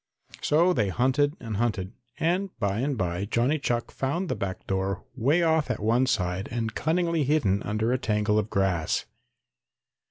So they hunted and hunted, and by and by Johnny Chuck found the back door way off at one side and cunningly hidden under a tangle of grass.